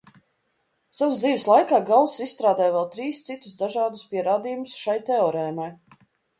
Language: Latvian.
Savas dzīves laikā Gauss izstrādāja vēl trīs citus dažādus pierādījumus šai teorēmai.